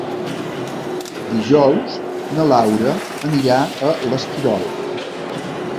Dijous na Laura anirà a l'Esquirol.